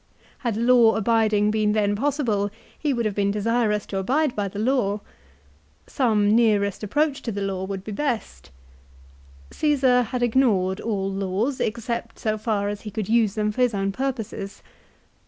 Had law abiding been then possible he would have been desirous to abide by the law. Some nearest approach to the law would be the best. Caesar had ignored all laws, except so far as he could use them for his own purposes.